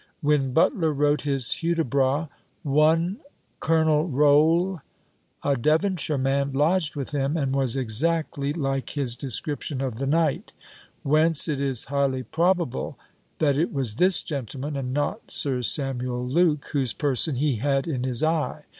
"When BUTLER wrote his Hudibras, one Coll. Rolle, a Devonshire man, lodged with him, and was exactly like his description of the Knight; whence it is highly probable, that it was this gentleman, and not Sir Samuel Luke, whose person he had in his eye.